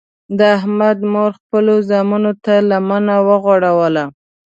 د احمد مور خپلو زمنو ته لمنه وغوړوله.